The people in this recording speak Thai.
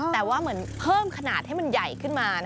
แต่ว่าเหมือนเพิ่มขนาดให้มันใหญ่ขึ้นมา